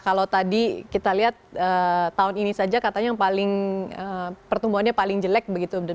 kalau tadi kita lihat tahun ini saja katanya yang paling pertumbuhannya paling jelek begitu